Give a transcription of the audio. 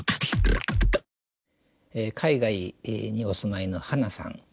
海外にお住まいのｈａｎａさん。